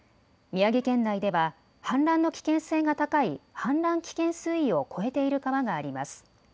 宮城県内では氾濫の危険性が高い氾濫危険水位を超えている川があります。